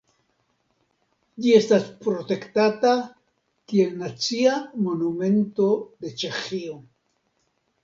Ĝi estas protektata kiel Nacia Monumento de Ĉeĥio.